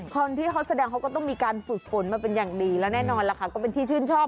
คนที่เขาแสดงเขาก็ต้องมีการฝึกฝนมาเป็นอย่างดีและแน่นอนล่ะค่ะก็เป็นที่ชื่นชอบ